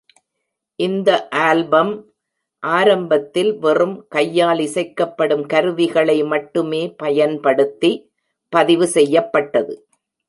இந்த ஆல்பம் ஆரம்பத்தில் வெறும் கையால் இசைக்கப்படும் கருவிகளை மட்டுமே பயன்படுத்தி பதிவு செய்யப்பட்டது.